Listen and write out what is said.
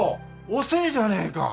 遅えじゃねえか。